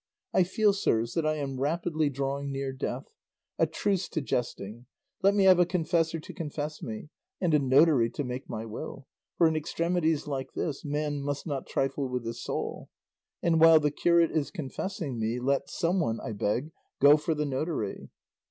I feel, sirs, that I am rapidly drawing near death; a truce to jesting; let me have a confessor to confess me, and a notary to make my will; for in extremities like this, man must not trifle with his soul; and while the curate is confessing me let some one, I beg, go for the notary."